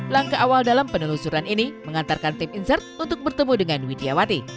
langkah awal dalam penelusuran ini mengantarkan tim insert untuk bertemu dengan widjawati